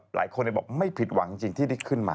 หลายคนบอกไม่ผิดหวังจริงที่ได้ขึ้นมา